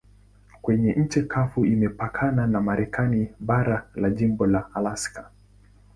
Kwenye nchi kavu imepakana na Marekani bara na jimbo la Alaska.